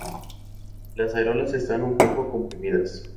Las areolas están un poco comprimidas.